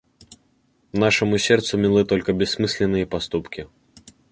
Нашему сердцу милы только бессмысленные поступки.